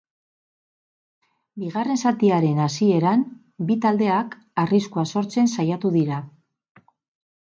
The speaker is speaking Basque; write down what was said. Bigarren zatiaren hasieran bi taldeak arriskua sortzen saiatu dira.